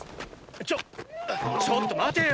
ちょちょっと待てよ！